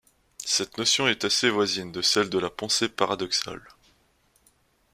Cette notion est assez voisine de celle de la pensée paradoxale.